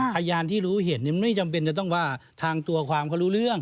พยานที่รู้เห็นไม่จำเป็นจะต้องว่าทางตัวความเขารู้เรื่อง